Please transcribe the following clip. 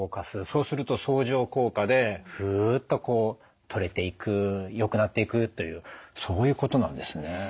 そうすると相乗効果でフッとこう取れていくよくなっていくというそういうことなんですね。